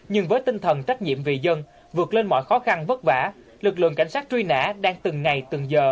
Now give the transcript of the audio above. nhưng với tinh thần trách nhiệm vì dân vượt lên mọi khó khăn vất vả lực lượng cảnh sát truy nã đang từng ngày từng giờ